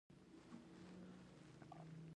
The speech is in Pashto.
سانکو د سیریلیون په پوځ کې افسر و.